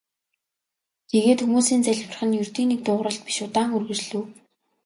Тэгээд хүмүүсийн залбирах нь ердийн нэг дуугаралт биш удаан үргэлжлэв.